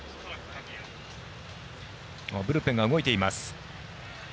ブルペンが動いています。